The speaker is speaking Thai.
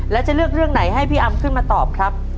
แล้วจะเลือกเรื่องไหนให้พี่อำขึ้นมาตอบครับ